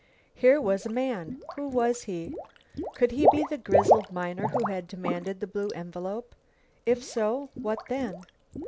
Here was a man. Who was he? Could he be the grizzled miner who had demanded the blue envelope? If so, what then?